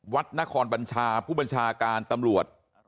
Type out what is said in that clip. วัดนครบัญชาผู้บัญชาการตำรวจ